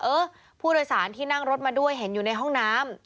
เออผู้โดยสารที่นั่งรถมาด้วยเห็นอยู่ในห้องน้ำ